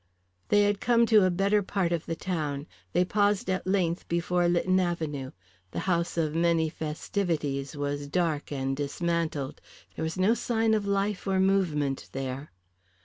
They had come to a better part of the town. They paused at length before Lytton Avenue. The house of many festivities was dark and dismantled. There was no sign of life or movement there.